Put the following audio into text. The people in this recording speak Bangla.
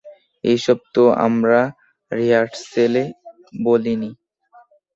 এসব তো আমরা রিহার্সেলে বলিনি!